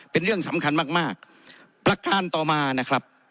เป็นเรื่องสำคัญมากมากประการต่อมานะครับ